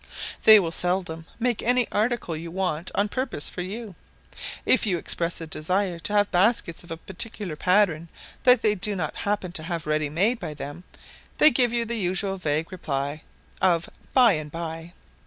They will seldom make any article you want on purpose for you. If you express a desire to have baskets of a particular pattern that they do not happen to have ready made by them, they give you the usual vague reply of "by and by."